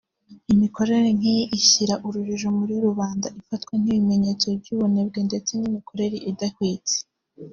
Imikorere nk’iyi ishyira urujijo muri rubanda ifatwa nk’ikimenyetso cy’ubunebwe ndetse n’imikorere idahwitse